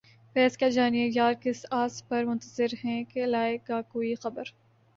فیضؔ کیا جانیے یار کس آس پر منتظر ہیں کہ لائے گا کوئی خبر